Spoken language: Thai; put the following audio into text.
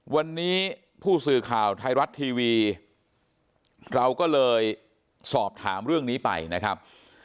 วันนี้ผู้สื่อข่าวไทยรัฐทีวีเราก็เลยสอบถามเรื่องนี้ไปนะครับ